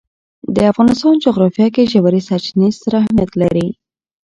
د افغانستان جغرافیه کې ژورې سرچینې ستر اهمیت لري.